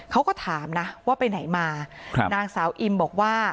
เขาก็ถามนะว่าไปไหนมาครับนางสาวอิมบอกว่า